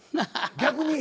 逆に？